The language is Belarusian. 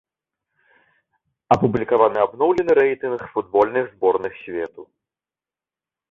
Апублікаваны абноўлены рэйтынг футбольных зборных свету.